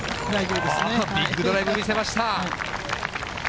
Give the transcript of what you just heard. ビッグドライブを見せました。